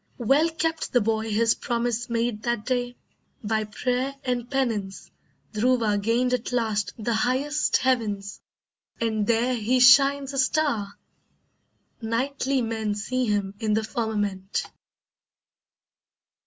Well kept the boy his promise made that day! By prayer and penance Dhruva gained at last The highest heavens, and there he shines a star! Nightly men see him in the firmament.